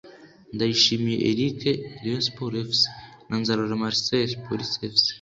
Ndayishimiye Eric (Rayon Sports Fc) na Nzarora Marcel (Police Fc)